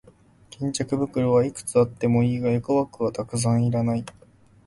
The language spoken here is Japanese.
巾着袋はいくつあってもいいが、エコバッグはたくさんはいらない。